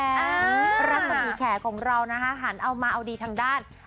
รักษมีแขกของเรานะคะหันเอามาเอาดีทางด้าน